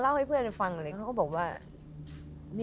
แล้วอันก็งงไง